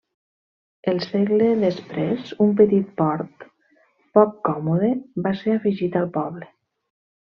El segle després, un petit port poc còmode, va ser afegit al poble.